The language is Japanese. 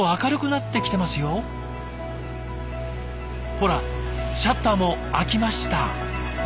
ほらシャッターも開きました。